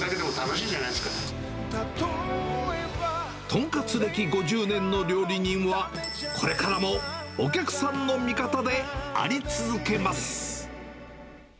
豚カツ歴５０年の料理人は、これからもお客さんの味方であり続けます。